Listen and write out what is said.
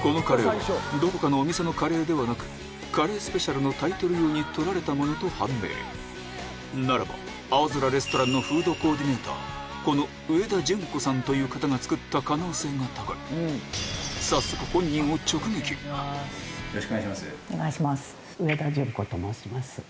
このカレーはどこかのお店のカレーではなくカレースペシャルのタイトル用に撮られたものと判明ならば『青空レストラン』のフードコーディネーターこの植田淳子さんという方が早速植田淳子と申します。